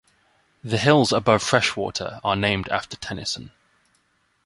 The hills above Freshwater are named after Tennyson.